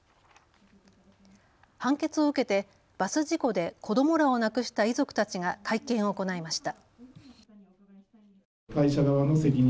判決を受けてバス事故で子どもらを亡くした遺族たちが会見を行いました。